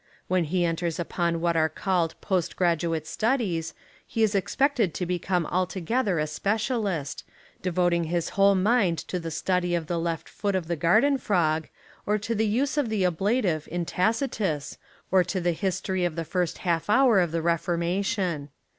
When he enters upon what are called post graduate studies, he is expected to become altogether a specialist, devoting his whole mind to the study of the left foot of the garden frog, or to the use of the ablative in Tacitus, or to the history of the first half hour of the Reformation.